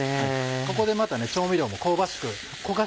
ここでまた調味料も香ばしく焦がし